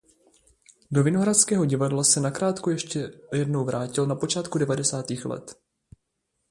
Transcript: Do Vinohradského divadla se nakrátko ještě jednou vrátil na počátku devadesátých let.